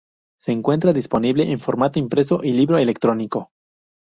Se encuentra disponible en formato impreso y libro electrónico.